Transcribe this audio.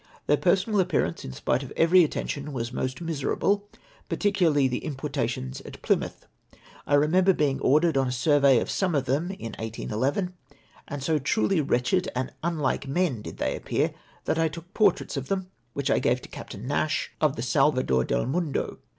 Their personal appearance, in spite of every attention, was most miserable, particularly the importations at Plymouth. I remember being ordered on a survey of some of them in 1811 ; and so truly wretched and unlike men did they appear, that I took portraits of them, which I gave to Captain Nash, of the Sal vador del Miindo.